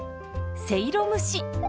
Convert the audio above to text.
せいろ蒸し。